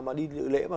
mà đi lễ mà